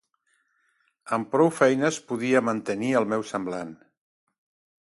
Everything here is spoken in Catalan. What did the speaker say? Amb prou feines podia mantenir el meu semblant.